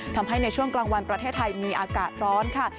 ในช่วงกลางวันประเทศไทยมีอากาศร้อนค่ะ